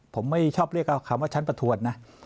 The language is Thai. ผมไม่ชอบเรียกคำว่าชั้นประทวดนะ